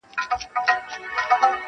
چي خبر د کلي خلګ په دې کار سوه.